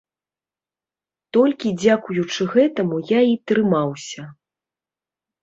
Толькі дзякуючы гэтаму я і трымаўся.